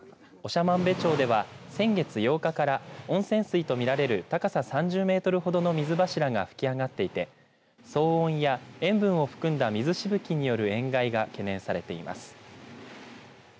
長万部町では先月８日から温泉水と見られる高さ３０メートルほどの水柱が噴き上がっていて騒音や塩分を含んだ水しぶきによる塩害が懸念されています。